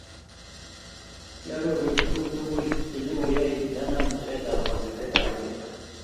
Kiarorwechi tuguk tugul che nyokoyay nda nam ngecheret ab kandoindet ab Kericho